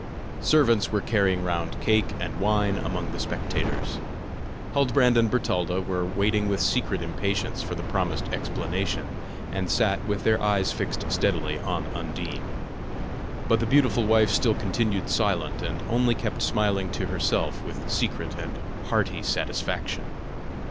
Servants were carrying round cake and wine among the spectators. Huldbrand and Bertalda were waiting with secret impatience for the promised explanation, and sat with their eyes fixed steadily on Undine. But the beautiful wife still continued silent, and only kept smiling to herself with secret and hearty satisfaction.